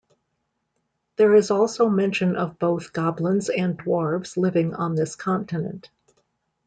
There is also mention of both goblins and dwarves living on this continent.